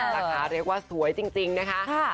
นะคะเรียกว่าสวยจริงนะคะ